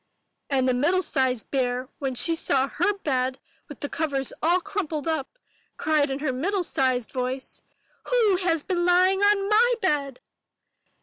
And the middle sized bear, when she saw her bed with the covers all crumpled up, cried in her middle sized voice, ''Who has been lying on my bed?"